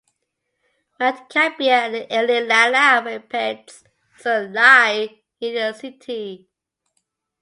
Mount Cambier and the Yelala Rapids also lie near the city.